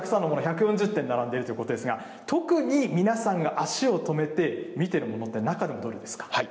本当にたくさんのもの、１４０点並んでいるということですが、特に皆さんが足を止めて見てるものって、中でもどれですか。